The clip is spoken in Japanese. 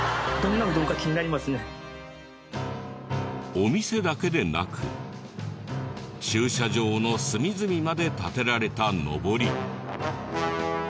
お店だけでなく駐車場の隅々まで立てられたのぼり。